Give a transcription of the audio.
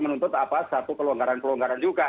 menuntut satu pelanggaran pelanggaran juga